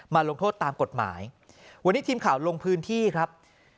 ลงโทษตามกฎหมายวันนี้ทีมข่าวลงพื้นที่ครับ